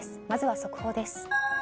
まずは速報です。